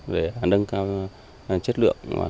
để nâng cao chất lượng